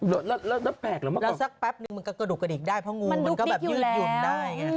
แล้วแปลกหรือไม่แล้วสักแป๊บนึงมันก็กระดุกกระดิกได้เพราะงูมันก็แบบยืดหยุ่นได้ไง